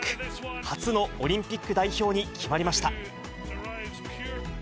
初のオリンピック代表に決まりました。